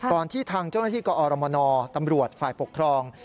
ที่ทางเจ้าหน้าที่กอรมนตำรวจฝ่ายปกครอง